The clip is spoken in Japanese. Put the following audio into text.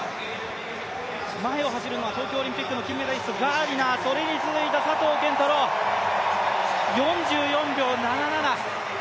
前を走るのは東京オリンピックの金メダリスト、ガーディナー、それに続いた佐藤拳太郎、４４秒７７。